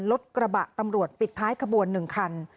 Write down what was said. รถกระบะตำรวจปิดท้ายขบวน๑คัน